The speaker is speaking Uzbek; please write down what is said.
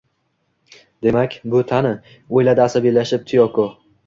Demak, bu Tani, o`yladi asabiylashib Tiyoko